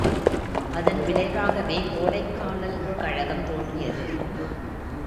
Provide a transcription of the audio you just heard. அதன் விளைவாகவே கோடைக்கானல் கழகம் தோன்றியது.